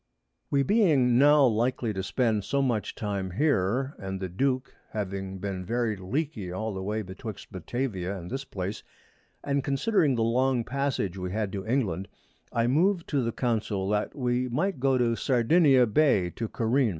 We being now likely to spend so much Time here, and the Duke having been very leaky all the way betwixt Batavia and this Place, and considering the long Passage we had to England, I moved to the Council that we might go to Sardinia Bay to careen.